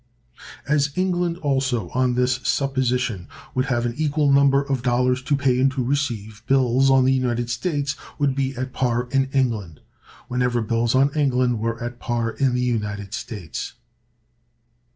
As England also, on this supposition, would have an equal number of dollars to pay and to receive, bills on the United States would be at par in England, whenever bills on England were at par in the United States.